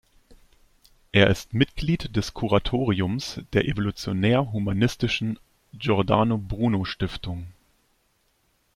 Er ist Mitglied des Kuratoriums der evolutionär-humanistischen Giordano Bruno Stiftung.